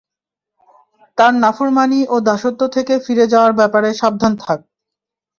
তাঁর নাফরমানী ও দাসত্ব থেকে ফিরে যাওয়ার ব্যাপারে সাবধান থাক।